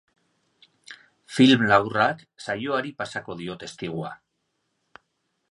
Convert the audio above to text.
Film laburrak saioari pasako dio testigua.